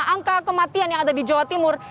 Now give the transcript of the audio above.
angka kematian yang ada di jawa timur